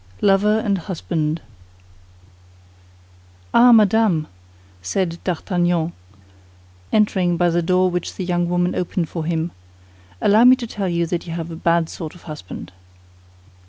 LOVER AND HUSBAND Ah, Madame," said D'Artagnan, entering by the door which the young woman opened for him, "allow me to tell you that you have a bad sort of a husband."